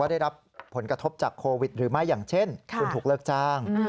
ได้รับผลกระทบจากโควิดหรือไม่อย่างเช่นคุณถูกเลิกจ้าง